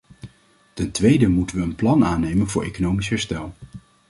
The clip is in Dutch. Ten tweede moeten we een plan aannemen voor economisch herstel.